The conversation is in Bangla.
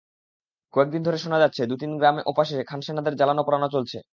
কয়েক দিন ধরে শোনা যাচ্ছে দু-তিন গ্রাম ওপাশে খান সেনাদের জ্বালানো-পোড়ানো চলছে।